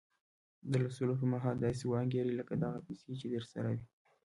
د لوستو پر مهال داسې وانګيرئ لکه دغه پيسې چې درسره وي.